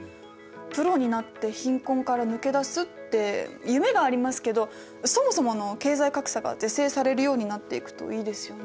プロになって貧困から抜け出すって夢がありますけどそもそもの経済格差が是正されるようになっていくといいですよね。